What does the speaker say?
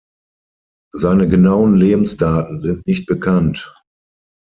Seine genauen Lebensdaten sind nicht bekannt.